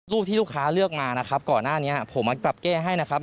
ที่ลูกค้าเลือกมานะครับก่อนหน้านี้ผมมาปรับแก้ให้นะครับ